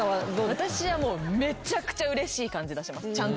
私はめちゃくちゃうれしい感じ出しますちゃんと。